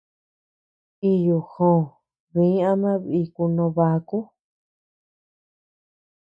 Iyu jòò dí ama biku no baku.